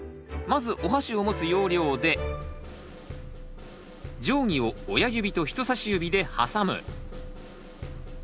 まずおはしを持つ要領で定規を親指と人さし指で挟む。